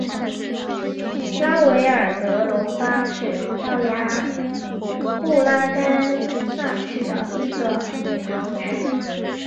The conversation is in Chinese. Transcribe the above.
维拉尔德隆巴是葡萄牙布拉干萨区的一个堂区。